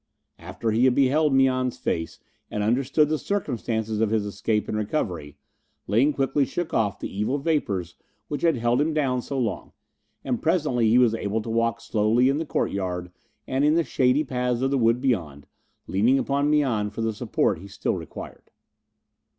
After he had beheld Mian's face and understood the circumstances of his escape and recovery, Ling quickly shook off the evil vapours which had held him down so long, and presently he was able to walk slowly in the courtyard and in the shady paths of the wood beyond, leaning upon Mian for the support he still required.